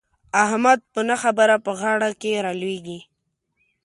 احمد په نه خبره په غاړه کې را لوېږي.